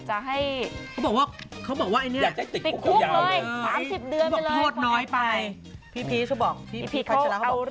เรื่องนี้นะไปแอบถ่าย